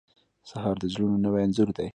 سهار د زړونو نوی انځور دی.